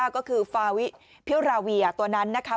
ก็คือฟาวิพิวราเวียตัวนั้นนะคะ